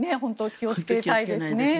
気をつけたいですね。